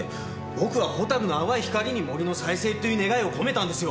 僕はホタルの淡い光に森の再生っていう願いを込めたんですよ。